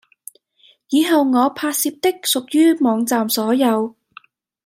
以後我拍攝的屬於網站所有